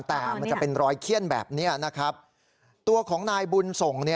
แต่มันจะเป็นรอยเขี้ยนแบบนี้นะครับตัวของนายบุญส่ง